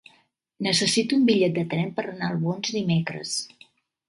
Necessito un bitllet de tren per anar a Albons dimecres.